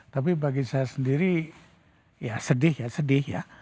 tapi bagi saya sendiri ya sedih ya sedih ya